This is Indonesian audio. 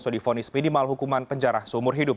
sodi fonis minimal hukuman penjara seumur hidup